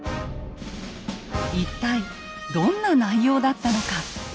一体どんな内容だったのか。